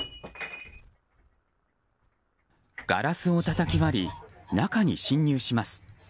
ガラスをたたき割り中に侵入します。